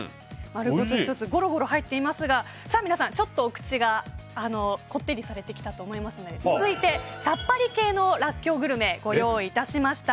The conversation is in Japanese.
丸ごと１つゴロゴロ入っていますが皆さん、ちょっとお口がこってりされてきたと思いますので続いて、さっぱり系のらっきょうグルメをご用意いたしました。